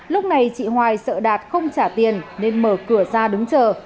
lúc này chị hoài sợ đạt không trả tiền nên mở cửa ra đứng chờ